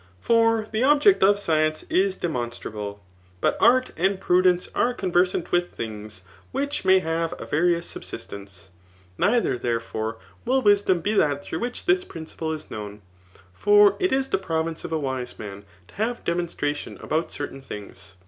For the object of science is demonstrable ; but art and prudence are conversant with things which may have a various sub* sistence ; neither, therefore, will wisdom be that through which this principle is known ; for it is the province of a wise man to have demonstration about certain things.